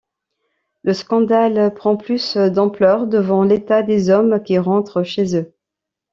Le scandale prend plus d'ampleur, devant l’état des hommes qui rentrent chez eux.